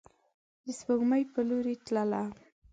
د سپوږمۍ په لوري تلله